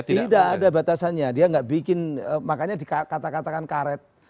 tidak ada batasannya dia nggak bikin makanya dikatakan karet